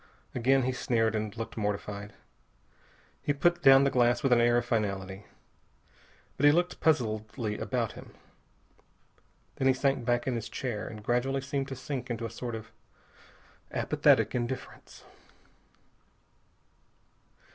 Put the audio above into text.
Again he sneered, and looked mortified. He put down the glass with an air of finality. But he looked puzzledly about him. Then he sank back in his chair and gradually seemed to sink into a sort of apathetic indifference.